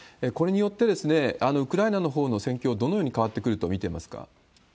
これによって、ウクライナのほうの戦況、どのように変わってくると見てますか？